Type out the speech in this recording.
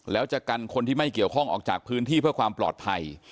แล้วจะกันคนที่ไม่เกี่ยวข้องออกจากพื้นที่เพื่อความปลอดภัย